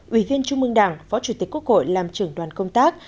ủy viên trung mương đảng phó chủ tịch quốc hội làm trưởng đoàn công tác